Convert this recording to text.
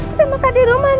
kita makan di rumah nak